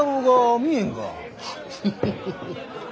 フフフフ